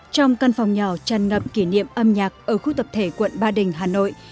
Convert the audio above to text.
trong căn phòng nhỏ tràn ngập kỷ niệm âm nhạc ở khu tập thể quận ba đình hà nội